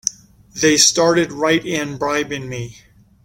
They started right in bribing me!